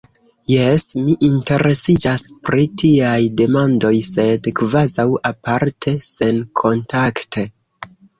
Jes, mi interesiĝas pri tiaj demandoj, sed kvazaŭ aparte, senkontakte.